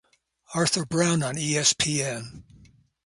Arthur Brown on Espn